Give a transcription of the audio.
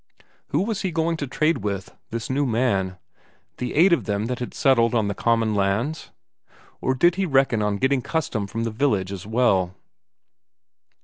Who was he going to trade with, this new man? The eight of them that had settled on the common lands? Or did he reckon on getting custom from the village as well?